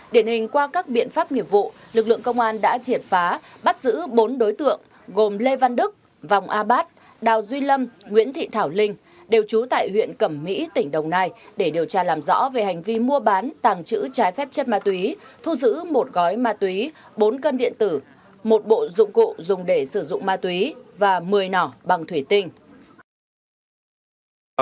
điển hình qua các biện pháp nghiệp vụ lực lượng công an đã triển phá bắt giữ bốn đối tượng gồm lê văn đức vòng a bát đào duy lâm nguyễn thị thảo linh đều trú tại huyện cẩm mỹ tỉnh đồng nai để điều tra làm rõ về hành vi mua bán tàng trữ trái phép chất ma túy thu giữ một gói ma túy bốn cân điện tử một bộ dụng cụ dùng để sử dụng ma túy và một mươi nỏ bằng thủy tinh